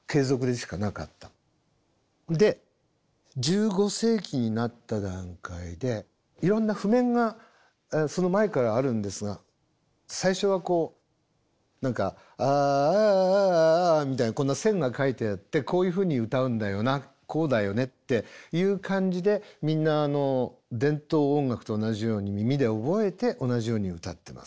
で１５世紀になった段階でいろんな譜面がその前からあるんですが最初はこう何か「ああああ」みたいにこんな線が書いてあってこういうふうに歌うんだよなこうだよねっていう感じでみんな伝統音楽と同じように耳で覚えて同じように歌ってます。